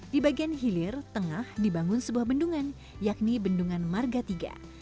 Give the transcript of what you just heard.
di bagian hilir tengah dibangun sebuah bendungan yakni bendungan marga iii